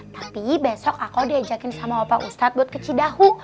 tapi besok aku diajakin sama bapak ustadz buat ke cidahu